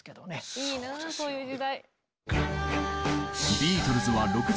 いいなそういう時代。